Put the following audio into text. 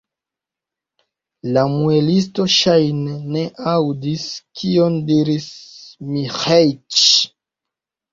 La muelisto, ŝajne, ne aŭdis, kion diris Miĥeiĉ.